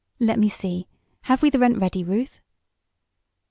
"Let me see; have we the rent ready, Ruth?"